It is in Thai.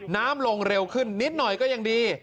น้ำลงเร็วขึ้นนิดหน่อยก็ยังดี